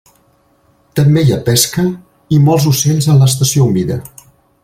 També hi ha pesca i molts ocells en l'estació humida.